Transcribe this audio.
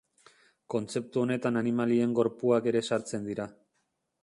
Kontzeptu honetan animalien gorpuak ere sartzen dira.